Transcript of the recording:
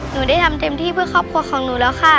หนูได้ทำเต็มที่เพื่อครอบครัวของหนูแล้วค่ะ